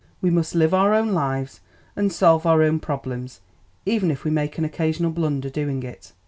We must live our own lives, and solve our own problems, even if we make an occasional blunder doing it."